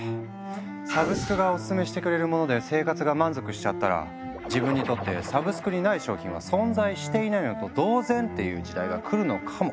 サブスクがオススメしてくれるもので生活が満足しちゃったら自分にとってサブスクにない商品は存在していないのと同然！という時代が来るのかも。